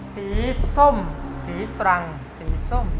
สีส้มสีตรังสีส้ม